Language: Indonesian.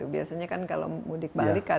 biasanya kan kalau mudik balik kan